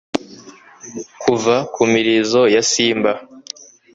kuva kumirizo ya simba